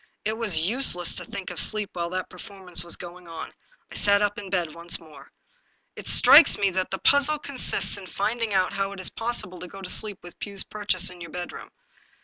It was useless to think of sleep while that performance was going on. I sat up in bed once more. " It strikes me that the puzzle consists in finding out how it is possible to go to sleep with Pugh's purchase in your bedroom.